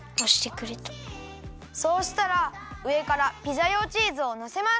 そうしたらうえからピザ用チーズをのせます。